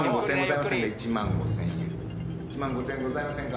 １万５，０００円ございませんか？